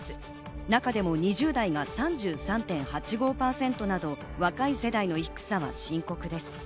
中でも２０代が３３．８５％など、若い世代の低さは深刻です。